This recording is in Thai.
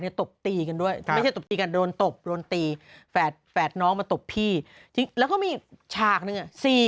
เนี่ยตบตีกันด้วยกาโดนตบโลนตีแฟทแฟทน้องมันตบที่แล้วเขามีชากเนี่ย๔